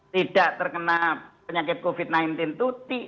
tidak terkena penyakit covid sembilan belas itu